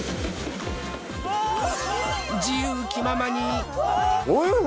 自由きままに。